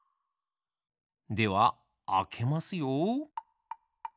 ではあけますよ。